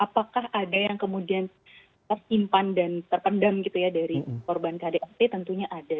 apakah ada yang kemudian tersimpan dan terpendam gitu ya dari korban kdrt tentunya ada